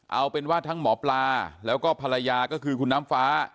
เอาเป็นว่าทั้งหมอปลาแล้วก็ภรรยาก็คือคุณน้ำฟ้า